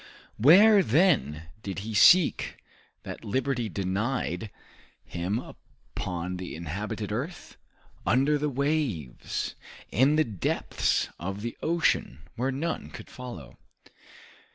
Where, then, did he seek that liberty denied him upon the inhabited earth? Under the waves, in the depths of the ocean, where none could follow.